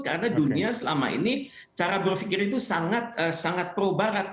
karena dunia selama ini cara berpikir itu sangat pro barat